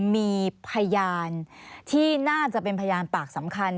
มีพยานที่น่าจะเป็นพยานปากสำคัญ